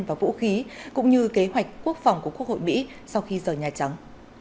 và vũ khí cũng như kế hoạch quốc phòng của quốc hội mỹ sau khi rời nhà trắng